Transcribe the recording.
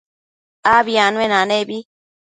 Abi anuenanebi